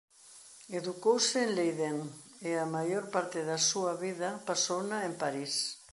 Educouse en Leiden e a maior parte da súa vida pasouna en París.